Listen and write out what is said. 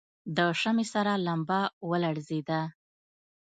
د شمعې سره لمبه ولړزېده.